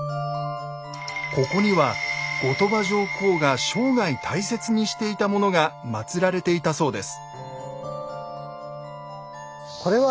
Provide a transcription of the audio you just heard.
ここには後鳥羽上皇が生涯大切にしていたものがまつられていたそうです。